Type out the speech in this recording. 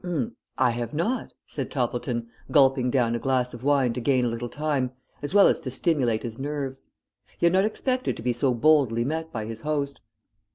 "I have not," said Toppleton, gulping down a glass of wine to gain a little time as well as to stimulate his nerves. He had not expected to be so boldly met by his host.